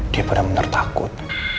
dia benar benar takut